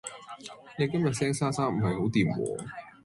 你今日聲沙沙唔係好惦喎